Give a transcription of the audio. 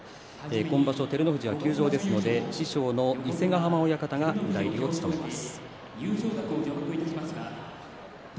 今場所、照ノ富士は休場ですので師匠の伊勢ヶ濱親方が代理を務めます。